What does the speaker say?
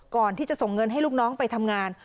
ก่อนที่จะส่งเงินให้ลูกน้องไปทำงาน